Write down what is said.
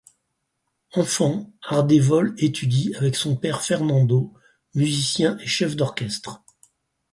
Enfant, Ardévol étudie avec son père, Fernando, musicien et chef d'orchestre.